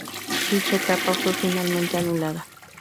Dicha etapa fue finalmente anulada.